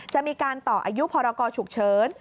จะมีการต่ออายุพรกรฉุกเฉิน